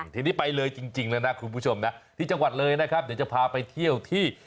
ทีนี้ไปเลยจริงแล้วนะคุณผู้ชมนะที่จังหวัดเลยนะครับเดี๋ยวจะพาไปเที่ยวที่